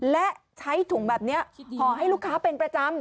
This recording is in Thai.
และใช้ถุงแบบนี้ห่อให้ลูกค้าเป็นประจำ